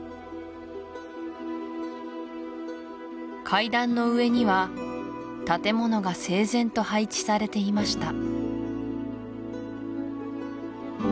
階段の上には建物が整然と配置されていました